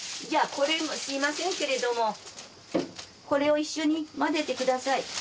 じゃあこれすいませんけれどもこれを一緒にまぜてください。